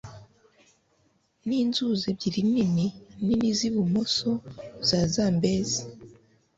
ninzuzi ebyiri nini nini z'ibumoso za zambezi